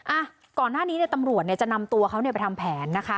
อ่ะก่อนหน้านี้เนี่ยตำรวจเนี่ยจะนำตัวเขาเนี่ยไปทำแผนนะคะ